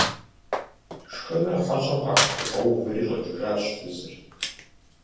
Шхыныр хьэщӀэхэм къахутригъэувэри щӏэкӏыжащ фызыр.